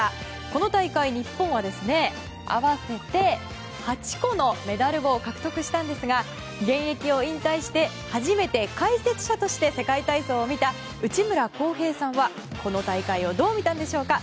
この大会、日本は合わせて８個のメダルを獲得したんですが現役を引退して初めて解説者として世界体操を見た内村航平さんはこの大会をどう見たんでしょうか。